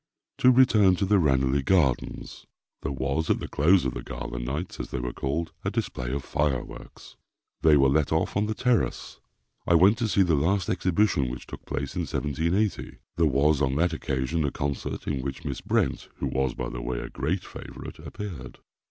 To return to the Ranelagh Gardens. There was, at the close of the gala nights, as they were called, a display of fireworks. They were let off on the terrace. I went to see the last exhibition which took place in 1780. There was, on that occasion, a concert in which Miss Brent, (who was, by the way, a great favourite) appeared.